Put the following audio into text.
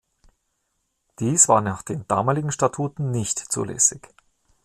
Dies war nach den damaligen Statuten nicht zulässig.